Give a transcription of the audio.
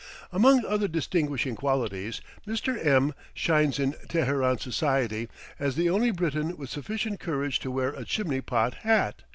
Among other distinguishing qualities, Mr. M shines in Teheran society as the only Briton with sufficient courage to wear a chimney pot hat.